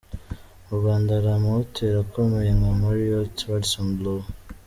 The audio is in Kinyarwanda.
Mu Rwanda hari amahoteli akomeye nka Marriott, Radisson Blu.